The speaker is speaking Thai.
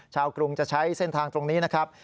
กรุงจะใช้เส้นทางตรงนี้นะครับ